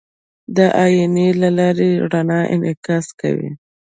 د آیینې له لارې رڼا انعکاس کوي.